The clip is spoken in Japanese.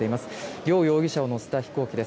両容疑者を乗せた飛行機です。